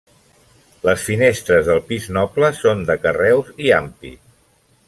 Les finestres del pis noble són de carreus i ampit.